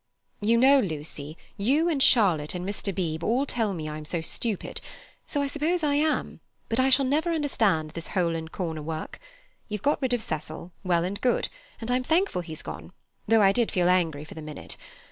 "You know, Lucy, you and Charlotte and Mr. Beebe all tell me I'm so stupid, so I suppose I am, but I shall never understand this hole and corner work. You've got rid of Cecil—well and good, and I'm thankful he's gone, though I did feel angry for the minute.